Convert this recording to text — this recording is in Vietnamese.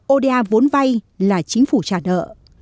oda vốn vay là chính phủ trả nợ